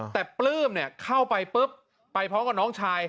แต่ปลื้มเข้าไปปุ๊บไปพร้อมกับน้องชาย